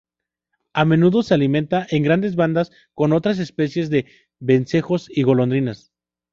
A menudo se alimenta en grandes bandadas con otras especies de vencejos y golondrinas.